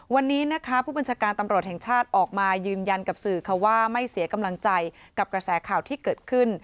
วันนี้นะคะผู้บัญชาการตำรวจแห่งชาติออกมายืนยันกับสื่อค่ะว่าไม่เสียกำลังใจกับกระแสข่าวที่เกิดขึ้น